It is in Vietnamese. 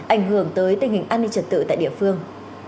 ảnh hưởng tới tình hình an ninh trật tự tại địa phương